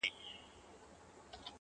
د هغوی څټ د جبرائيل د لاس لرگی غواړي~~